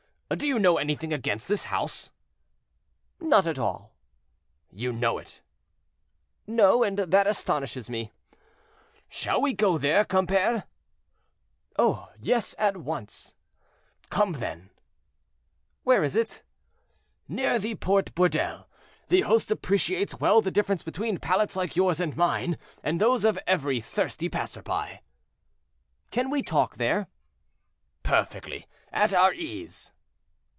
"Do you know anything against this house?" "Not at all." "You know it?" "No; and that astonishes me." "Shall we go there, compère?" "Oh! yes, at once." "Come, then." "Where is it?" "Near the Porte Bourdelle. The host appreciates well the difference between palates like yours and mine, and those of every thirsty passer by." "Can we talk there?" "Perfectly at our ease."